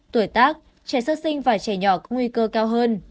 tuổi tác trẻ sơ sinh và trẻ nhỏ có nguy cơ cao hơn